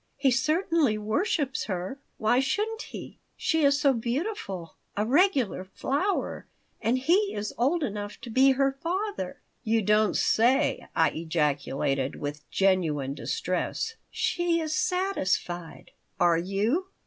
He certainly worships her. Why shouldn't he? She is so beautiful a regular flower and he is old enough to be her father." "You don't say!" I ejaculated, with genuine distress "She is satisfied." "Are you?"